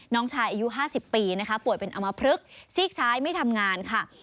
น้องชายอายุ๕๐ปีนะคะป่วยเป็นอมพลึกซีกซ้ายไม่ทำงานค่ะ